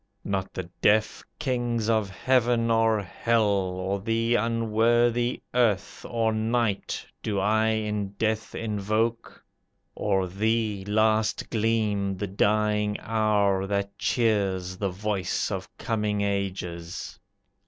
Not the deaf kings of heaven or hell, Or the unworthy earth, Or night, do I in death invoke, Or thee, last gleam the dying hour that cheers, The voice of coming ages.